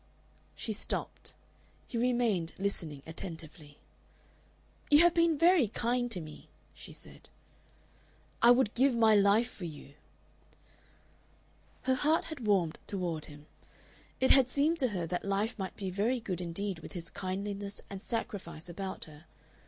She stopped. He remained listening attentively. "You have been very kind to me," she said. "I would give my life for you." Her heart had warmed toward him. It had seemed to her that life might be very good indeed with his kindliness and sacrifice about her.